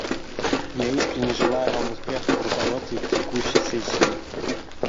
Я искренне желаю Вам успеха в руководстве текущей сессией.